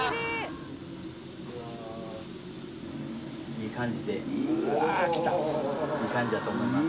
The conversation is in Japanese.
いい感じでいい感じやと思います